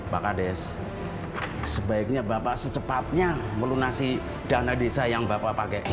pak kades sebaiknya bapak secepatnya melunasi dana desa yang bapak pakai